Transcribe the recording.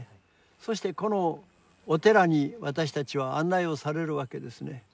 そしてこのお寺に私たちは案内をされるわけですね。